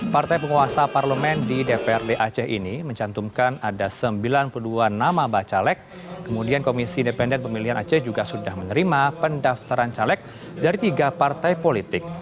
partai penguasa parlemen di dprd aceh ini mencantumkan ada sembilan puluh dua nama bacalek kemudian komisi independen pemilihan aceh juga sudah menerima pendaftaran caleg dari tiga partai politik